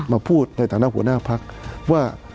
มาพูดในต่างด้านหัวหน้าภักร์ว่า